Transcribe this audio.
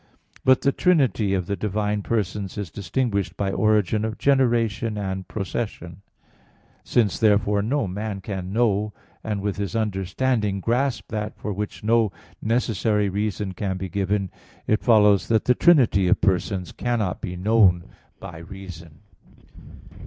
But the trinity of the divine persons is distinguished by origin of generation and procession (Q. 30, A. 2). Since, therefore, man cannot know, and with his understanding grasp that for which no necessary reason can be given, it follows that the trinity of persons cannot be known by reason.